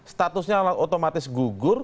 statusnya otomatis gugur